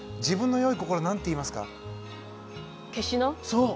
そう。